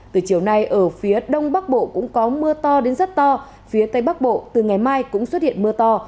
từ chiều nay ở phía đông bắc bộ cũng có mưa to đến rất to phía tây bắc bộ từ ngày mai cũng xuất hiện mưa to